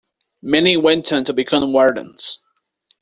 Many went on to become wardens.